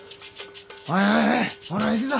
おいおいおいほら行くぞ。